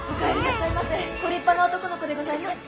ご立派な男の子でございます。